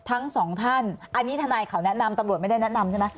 อันนี้ท่านายเขาแนะนำตำรวจไม่ได้แนะนำใช่ไหม